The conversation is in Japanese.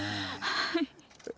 はい。